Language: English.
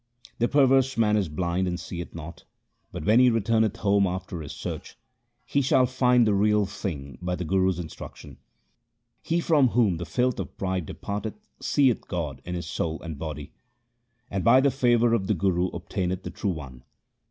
The perverse man is blind and seeth not, but, when he returneth home after his search, he shall find the Real Thing by the Guru's instruction. He from whom the filth of pride departeth seeth God in his soul and body, And by the favour of the Guru obtaineth the True One.